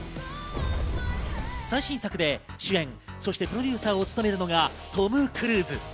最新作で主演、そしてプロデューサーを務めるのがトム・クルーズ。